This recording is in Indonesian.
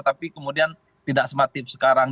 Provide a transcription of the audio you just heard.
tapi kemudian tidak sematif sekarang